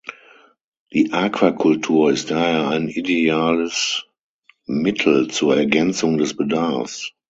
Die Aquakultur ist daher ein ideales Mittel zur Ergänzung des Bedarfs.